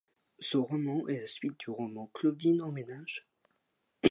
Ce roman est la suite du roman Claudine en ménage.